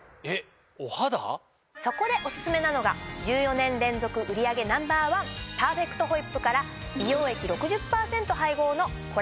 そこでオススメなのが１４年連続売上Ｎｏ．１パーフェクトホイップから美容液６０％配合のコラーゲンｉｎ。